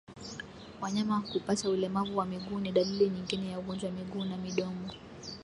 Wanyama kupata ulemavu wa miguu ni dalili nyingine ya ugonjwa miguu na midomo